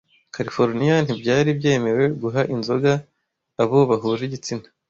Californiya ntibyari byemewe guha inzoga abo bahuje igitsina